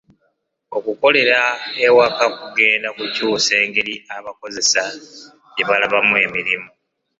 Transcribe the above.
Okukolera ewaka kugenda kukyusa engeri abakozesa gye balabamu emirimu.